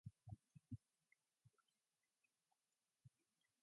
Anything can be baked in a Bundt-style pan, and is.